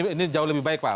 ini jauh lebih baik pak